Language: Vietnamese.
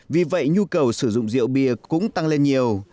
vì vậy nhu cầu sử dụng rượu bia cũng tăng lên nhiều